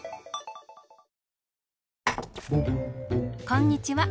こんにちは。